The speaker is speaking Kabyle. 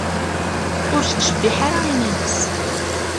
Ur tettcebbiḥ ara iman-is.